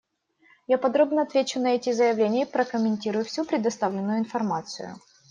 Я подробно отвечу на эти заявления и прокомментирую всю представленную информацию.